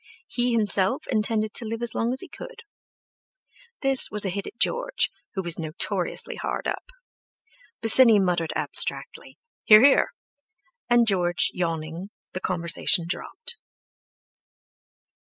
He himself intended to live as long as he could. This was a hit at George, who was notoriously hard up. Bosinney muttered abstractedly "Hear, hear!" and, George yawning, the conversation dropped.